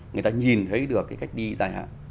người ta nhìn thấy được cái cách đi dài hạn